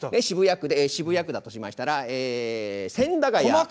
渋谷区で渋谷区だとしましたら千駄ヶ谷。